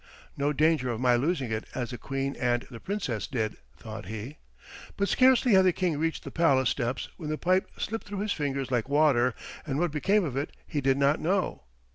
"No danger of my losing it as the Queen and the Princess did," thought he. But scarcely had the King reached the palace steps when the pipe slipped through his fingers like water, and what became of it he did not know.